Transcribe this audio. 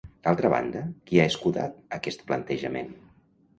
D'altra banda, qui ha escudat aquest plantejament?